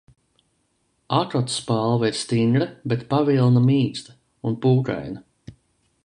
Akotspalva ir stingra, bet pavilna mīksta un pūkaina.